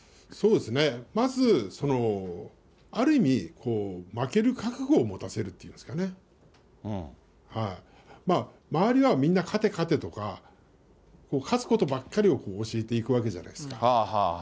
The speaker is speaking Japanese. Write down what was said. まずある意味、負ける覚悟を持たせるっていうんですかね、周りはみんな、勝て勝てとか、勝つことばっかりを教えていくわけじゃないですか。